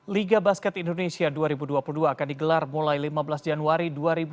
liga basket indonesia dua ribu dua puluh dua akan digelar mulai lima belas januari dua ribu dua puluh